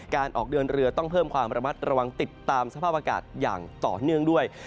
การออกเดินเรือต้องเพิ่มความระมัดระวังติดตามสภาพอากาศอย่างต่อเนื่องด้วย